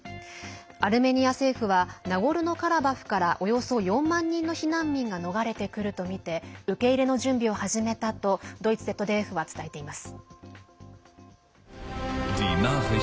アルメニア政府はナゴルノカラバフからおよそ４万人の避難民が逃れてくるとみて受け入れの準備を始めたとドイツＺＤＦは伝えています。